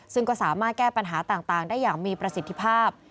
ซึ่งก็สามารถแก้ปัญหาต่างได้อย่างมีประสิทธิภาพ